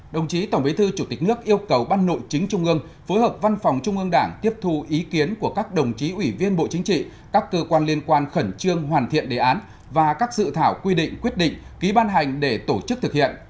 đồng chí tổng bí thư chủ tịch nước yêu cầu ban nội chính trung ương phối hợp văn phòng trung ương đảng tiếp thu ý kiến của các đồng chí ủy viên bộ chính trị các cơ quan liên quan khẩn trương hoàn thiện đề án và các dự thảo quy định quyết định ký ban hành để tổ chức thực hiện